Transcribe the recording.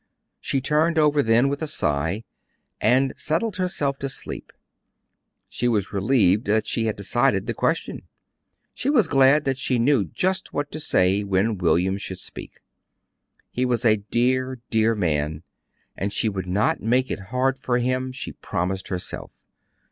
She turned over then with a sigh, and settled herself to sleep. She was relieved that she had decided the question. She was glad that she knew just what to say when William should speak. He was a dear, dear man, and she would not make it hard for him, she promised herself.